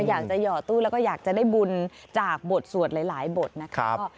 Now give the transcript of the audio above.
หย่อตู้แล้วก็อยากจะได้บุญจากบทสวดหลายบทนะครับ